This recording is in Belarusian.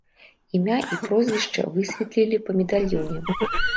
Імя і прозвішча высветлілі па медальёне.